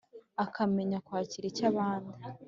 akamenya kwakira icyabandi